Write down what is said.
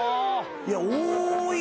いや多いな。